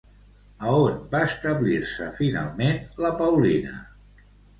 A on va establir-se finalment la Paulina?